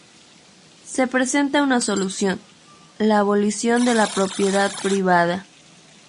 Se presenta una solución: la abolición de la propiedad privada.